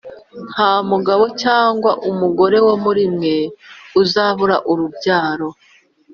Nta mugabo cyangwa umugore wo muri mwe uzabura urubyaro,